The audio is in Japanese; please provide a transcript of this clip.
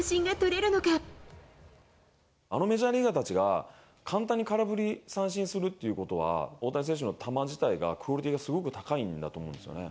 あのメジャーリーガーたちが、簡単に空振り三振するっていうことは、大谷選手の球自体がクオリティーがすごく高いんだと思うんですよね。